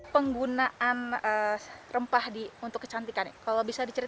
penggunaan rempah untuk kecantikan kalau bisa dicerita